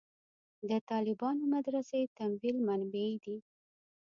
د طالبانو مدرسې تمویل منبعې دي.